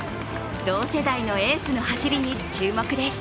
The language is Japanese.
同世代のエースの走りに注目です。